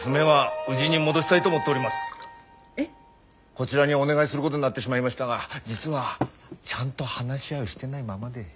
こちらにお願いするごどになってしまいましたが実はちゃんと話し合いをしてないままで。